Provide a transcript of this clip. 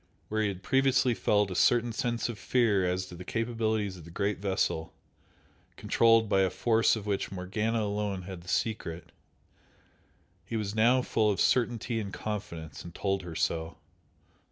Where he had previously felt a certain sense of fear as to the capabilities of the great vessel, controlled by a force of which Morgana alone had the secret, he was now full of certainty and confidence, and told her so.